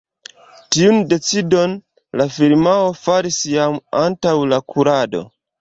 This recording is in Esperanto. Tiun decidon la firmao faris jam antaŭ la kurado.